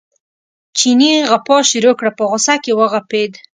چیني غپا شروع کړه په غوسه کې وغپېد.